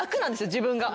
自分が。